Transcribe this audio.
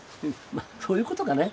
まあそういうことかね。